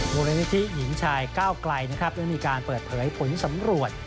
บริเวณพิธีหญิงชายก้าวไกลนะครับยังมีการเปิดเผยผลสำรวจ